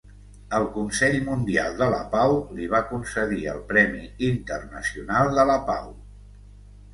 El Consell Mundial de la Pau li va concedir el Premi Internacional de la Pau.